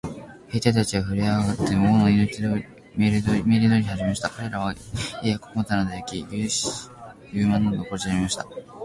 兵隊たちはふるえ上って、王の命令通りにしはじめました。かれらは、家や穀物などを焼き、牛馬などを殺しはじめました。